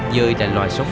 dơi là loài sống nhất